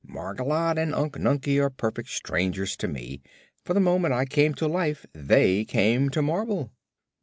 Margolotte and Unc Nunkie are perfect strangers to me, for the moment I came to life they came to marble."